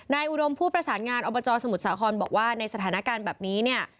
อุดมผู้ประสานงานอบจสมุทรสาครบอกว่าในสถานการณ์แบบนี้เนี่ย